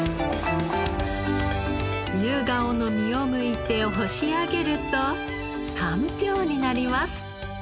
ユウガオの実をむいて干し上げるとかんぴょうになります。